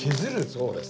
そうです。